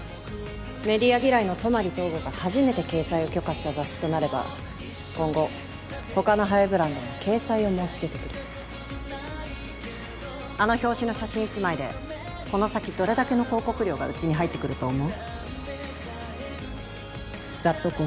メディア嫌いの泊東吾が初めて掲載を許可した雑誌となれば今後他のハイブランドも掲載を申し出てくるあの表紙の写真１枚でこの先どれだけの広告料がうちに入ってくると思う？